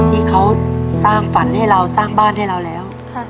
ที่เขาสร้างฝันให้เราสร้างบ้านให้เราแล้ว